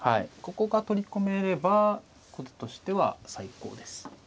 ここが取り込めれば後手としては最高です。